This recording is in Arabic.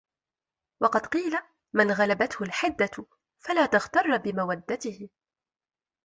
وَقَدْ قِيلَ مَنْ غَلَبَتْهُ الْحِدَةُ فَلَا تَغْتَرَّ بِمَوَدَّتِهِ